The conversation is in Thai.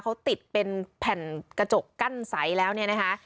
เขาติดเป็นแผ่นกระจกกั้นใสแล้วเนี่ยนะคะ